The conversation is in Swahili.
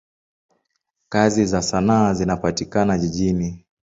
Kazi za sanaa zinapatikana jijini.